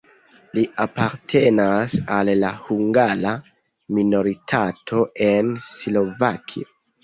Li apartenas al la hungara minoritato en Slovakio.